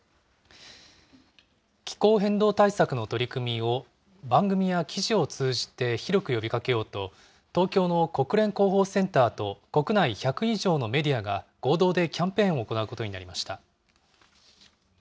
気候変動対策の取り組みを番組や記事を通じて広く呼びかけようと、東京の国連広報センターと国内１００以上のメディアが、合同でキャンペーンを行うことになりました。